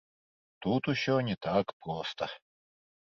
Тут усё не так проста.